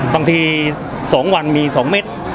บางทีสองวันมีสองเม็ด